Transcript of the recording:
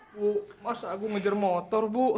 bu mas agung ngejar motor bu